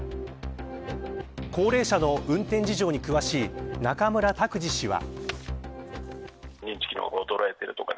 高齢者の運転事情に詳しい中村拓司氏は。